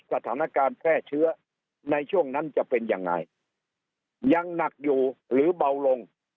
สถานการณ์แพร่เชื้อในช่วงนั้นจะเป็นยังไงยังหนักอยู่หรือเบาลง